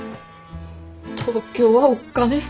東京はおっかね。